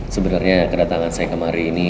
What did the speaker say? sebenarnya kedatangan saya kemari ini